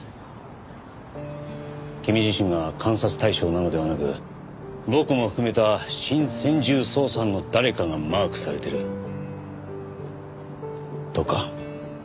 君自身が監察対象なのではなく僕も含めた新専従捜査班の誰かがマークされているとか？